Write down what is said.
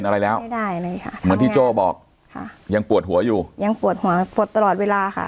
ไม่ได้เลยค่ะเหมือนที่โจว์บอกยังปวดหัวอยู่ยังปวดหัวปวดตลอดเวลาค่ะ